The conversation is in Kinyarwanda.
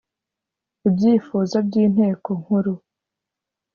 ibyifuzo by Inteko Nkuru